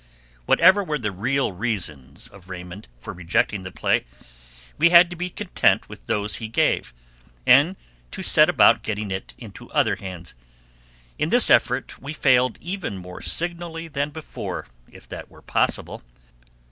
Whatever were the real reasons of Raymond for rejecting the play, we had to be content with those he gave, and to set about getting it into other hands. In this effort we failed even more signally than before, if that were possible.